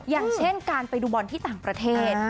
อย่างเช่นการไปดูบอลที่ต่างประเทศ